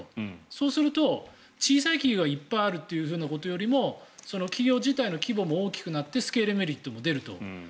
そうすると、小さい企業はいっぱいあるということよりも企業自体の規模も大きくなってスケールメリットも出ると。